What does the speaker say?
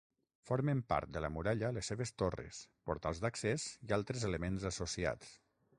Formen part de la muralla les seves torres, portals d'accés i altres elements associats.